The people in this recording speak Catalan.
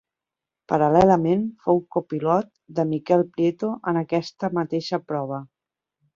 Paral·lelament fou copilot de Miquel Prieto en aquesta mateixa prova.